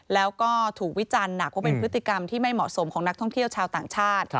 แล้วก็ถูกวิจารณ์หนักว่าเป็นพฤติกรรมที่ไม่เหมาะสมของนักท่องเที่ยวชาวต่างชาติ